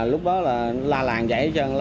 lúc đó là la làng vậy cho